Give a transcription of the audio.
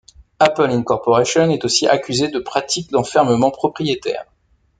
Apple Inc. est aussi accusé de pratiques d'enfermement propriétaire.